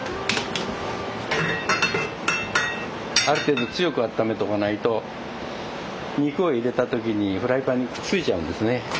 ある程度強くあっためとかないと肉を入れた時にフライパンにくっついちゃうんですね。